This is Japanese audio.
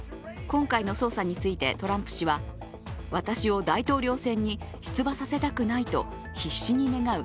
今回の捜査についてトランプ氏は私を大統領選に出馬させたくないと必死に願う